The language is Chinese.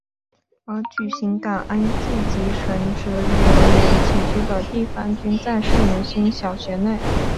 而举行感恩祭及神职人员起居的地方均在圣云仙小学内。